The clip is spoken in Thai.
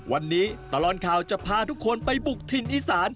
วันนี้ตลอดข่าวจะพาทุกคนไปบุกถิ่นอีสาน